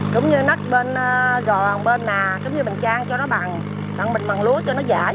cũng như nắt bên gòn bên nà cũng như mình trang cho nó bằng bằng bình bằng lúa cho nó giải